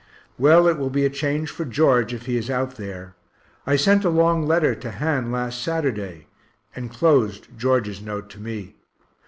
Well, it will be a change for George, if he is out there. I sent a long letter to Han last Saturday enclosed George's note to me.